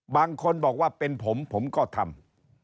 บางคนบอกว่าเป็นผมผมก็ทำ